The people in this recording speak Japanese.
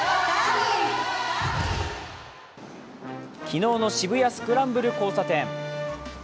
昨日の渋谷スクランブル交差点。